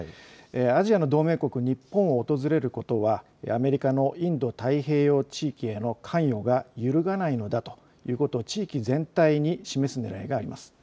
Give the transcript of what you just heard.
アジアの同盟国、日本を訪れることはアメリカのインド太平洋地域への関与が揺るがないのだということを地域全体に示すねらいがあります。